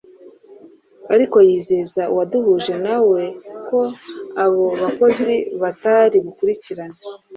ariko yizeza uwaduhuje nawe ko abo bakozi batari bukurikirane